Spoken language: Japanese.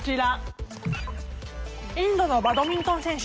インドのバドミントン選手